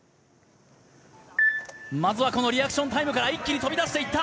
まずはこのリアクションタイムから一気に飛び出していった。